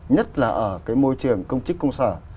nhất là ở cái môi trường công chức công sở